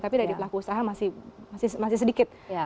tapi dari pelaku usaha masih sedikit